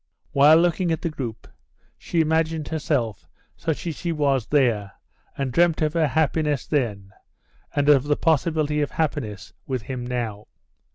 While looking at the group she imagined herself such as she was there and dreamt of her happiness then and of the possibility of happiness with him now.